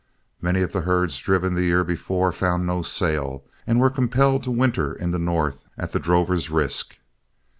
Many of the herds driven the year before found no sale, and were compelled to winter in the North at the drover's risk.